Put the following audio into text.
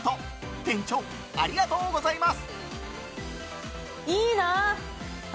店長、ありがとうございます！